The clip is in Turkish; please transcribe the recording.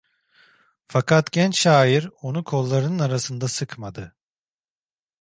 Fakat genç şair onu kollarının arasında sıkmadı.